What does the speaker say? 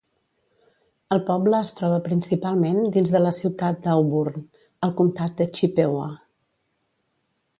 El poble es troba principalment dins de la ciutat d'Auburn, al comtat de Chippewa.